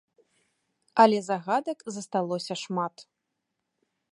Але загадак засталося шмат.